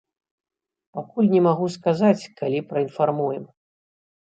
Пакуль не магу сказаць, калі праінфармуем.